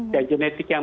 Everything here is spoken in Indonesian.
dan genetik yang